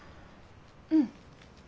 うん。